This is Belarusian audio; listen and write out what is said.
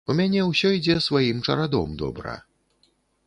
У мяне ўсё ідзе сваім чарадом добра.